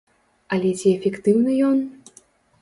Але ці эфектыўны ён?